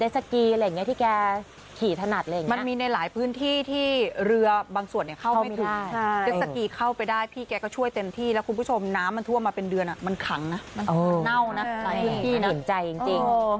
หรือแบบเจสสกีอะไรอย่างงี้ที่แกขี่ถนัดอะไรอย่างงี้